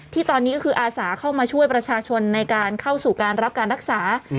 ที่ตอนนี้ก็คืออาสาเข้ามาช่วยประชาชนในการเข้าสู่การรับการรักษา